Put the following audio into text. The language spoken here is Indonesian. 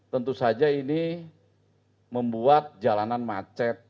tentu saja ini membuat jalanan macet